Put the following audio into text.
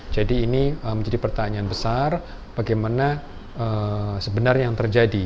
jadi ini menjadi pertanyaan besar bagaimana sebenarnya yang terjadi